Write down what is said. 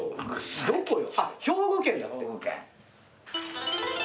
どこよ？